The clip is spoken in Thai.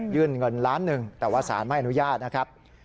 เงินล้านหนึ่งแต่ว่าสารไม่อนุญาตนะครับ